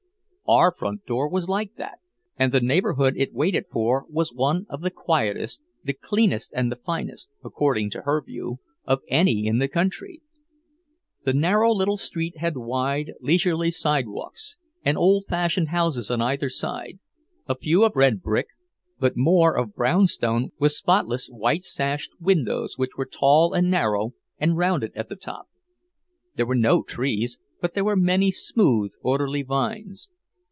Our front door was like that, and the neighborhood it waited for was one of the quietest, the cleanest and the finest, according to her view, of any in the country. The narrow little street had wide, leisurely sidewalks and old fashioned houses on either side, a few of red brick, but more of brown stone with spotless white sashed windows which were tall and narrow and rounded at the top. There were no trees, but there were many smooth, orderly vines.